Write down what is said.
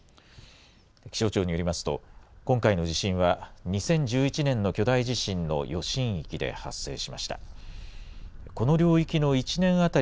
気象庁によりますと、今回の地震は、２０１１年の巨大地震の余震域で発生しました。